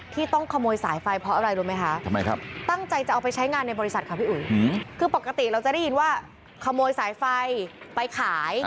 ที่ต้องขโมยสายไฟเพราะอะไรรู้ไหมค่ะทำไมครับ